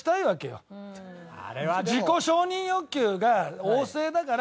自己承認欲求が旺盛だから。